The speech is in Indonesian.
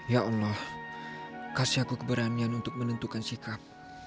ya allah kasih aku keberanian untuk menentukan sikap